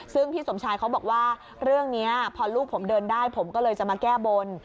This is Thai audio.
ซึ่งพี่สมชายเขาบอกว่าเรื่องนี้พอลูกผมเดินได้ผมก็เลยจะมาแก้บน